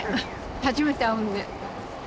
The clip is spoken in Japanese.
初めて会うんで。